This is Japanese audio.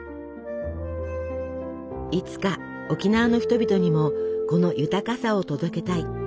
いつか沖縄の人々にもこの豊かさを届けたい。